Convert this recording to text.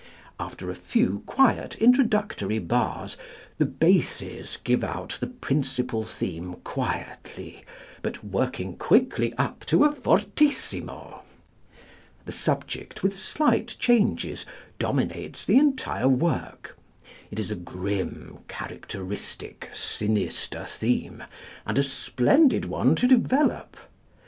After a few quiet introductory bars the basses give out the principal theme quietly, but working quickly up to a fortissimo. This subject, with slight changes, dominates the entire work; it is a grim, characteristic, sinister theme, and a splendid one to develop.